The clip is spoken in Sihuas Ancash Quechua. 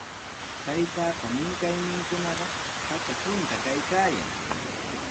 Taytaapa minkayninkunaqa patra hunta kaykaayan.